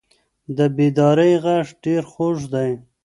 د بیدارۍ غږ ډېر خوږ دی.